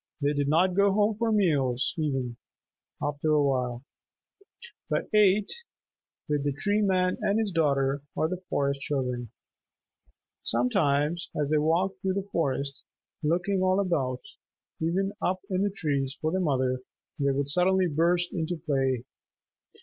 They did not go home for meals, even, after a while, but ate with the Tree Man and his daughter or the Forest Children. Sometimes as they walked through the forest, looking all about, even up into the trees for their mother, they would suddenly burst into play.